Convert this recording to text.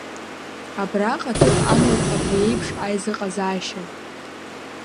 Абраҟа аҭыԥ амоуп абри еиԥш аизыҟазаашьа…